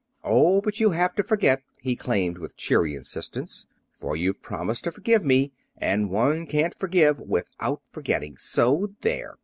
"Oh, but you'll have to forget," he claimed, with cheery insistence, "for you've promised to forgive me and one can't forgive without forgetting. So, there!"